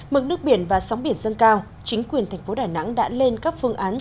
mực nước biển và sóng biển dâng cao chính quyền thành phố đà nẵng đã lên các phương án